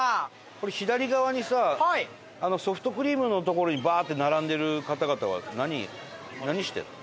これ左側にさソフトクリームの所にバーッて並んでる方々は何何してるの？